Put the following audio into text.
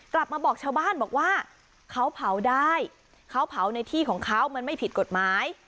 กลับมาบอกชาวบ้านบอกว่าเขาเผาได้เขาเผาในที่ของเขามันไม่ผิดกฎหมาย